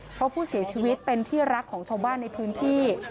เพราะผู้เสียชีวิตเป็นที่รักของชาวบ้านในพื้นที่